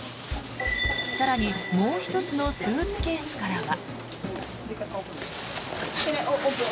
更に、もう１つのスーツケースからは。